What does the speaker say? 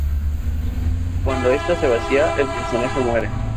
Cuando esta se vacía, el personaje muere.